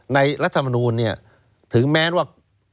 ในรัฐมนุนถึงแม้ว่า